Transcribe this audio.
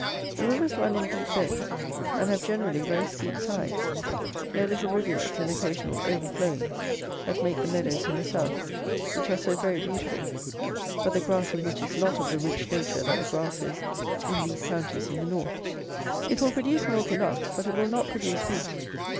The rivers run in deep beds, and have generally very steep sides; no little rivulets and occasional overflowings that make the meadows in the South, which are so very beautiful, but the grass in which is not of the rich nature that the grass is in these counties in the North: it will produce milk enough, but it will not produce beef.